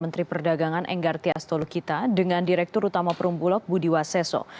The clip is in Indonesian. menteri perdagangan enggarti astolukita dengan direktur utama perumpulok budiwaseso